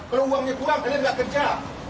kalau uangnya kurang kalian nggak kerja